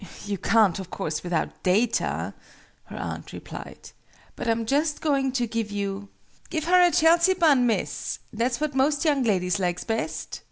"You can't, of course, without data," her aunt replied: "but I'm just going to give you " "Give her a Chelsea bun, Miss! That's what most young ladies likes best!"